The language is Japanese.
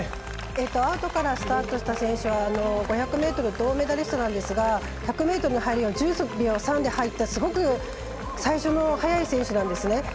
アウトからスタートした選手は５００ｍ銅メダリストなんですが１００ｍの入りが１０秒３で入ったすごく最初の速い選手なんですね。